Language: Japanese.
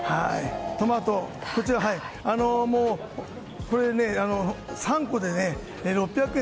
トマト３個で６００円